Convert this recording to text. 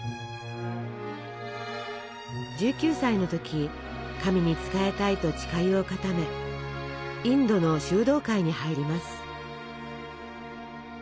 １９歳の時神に仕えたいと誓いを固めインドの修道会に入ります。